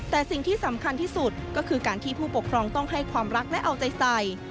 แต่สิ่งที่สำคัญที่สุดก็คือการที่ผู้ปกครองต้องให้ความรักและเอาใจใส่